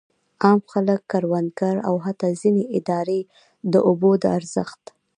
عام خلک، کروندګر او حتی ځینې ادارې د اوبو د ارزښت.